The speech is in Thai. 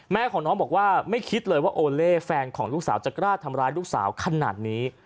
แม่ของน้องบอกว่าไม่คิดเลยว่าโอเล่แฟนของลูกสาวจะกล้าทำร้ายลูกสาวขนาดนี้